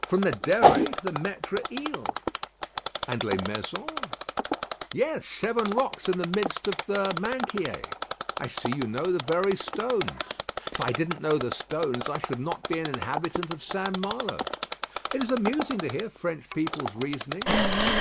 "From the Derée to the Maître Ile." "And Les Maisons?" "Yes; seven rocks in the midst of the Minquiers." "I see you know the very stones." "If I didn't know the stones, I should not be an inhabitant of St. Malo." "It is amusing to hear French people's reasonings."